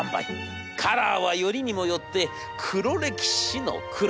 カラーはよりにもよって黒歴史の黒。